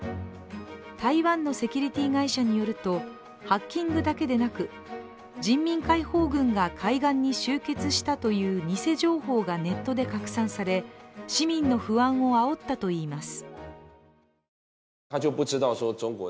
台湾のセキュリティー会社によると、ハッキングだけでなく人民解放軍が海岸に集結したという偽情報がネットで拡散され市民の不安をあおったといいます。